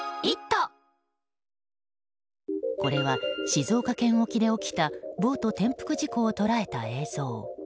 これは静岡県沖で起きたボート転覆事故を捉えた映像。